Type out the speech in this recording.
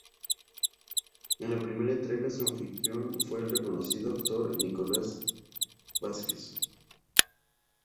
En la primera entrega su anfitrión fue el reconocido actor Nicolás Vázquez.